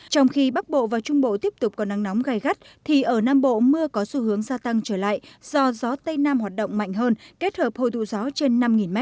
trong khi bắc bộ và trung bộ tiếp tục có nắng nóng gai gắt thì ở nam bộ mưa có xu hướng gia tăng trở lại do gió tây nam hoạt động mạnh hơn kết hợp hồi tụ gió trên năm m